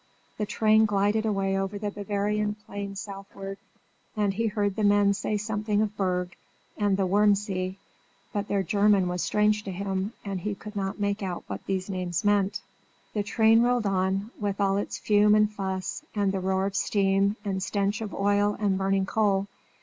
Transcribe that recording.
The train glided away over the Bavarian plain southward; and he heard the men say something of Berg and the Wurm See, but their German was strange to him, and he could not make out what these names meant. The train rolled on, with all its fume and fuss, and roar of steam, and stench of oil and burning coal.